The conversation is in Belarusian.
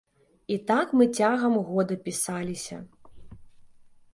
І так мы цягам года пісаліся.